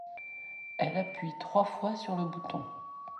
Elle appuie trois fois sur le bouton.